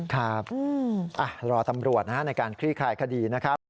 ครับรอตำรวจในการคลี่คลายคดีนะครับ